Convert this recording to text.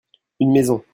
une maison.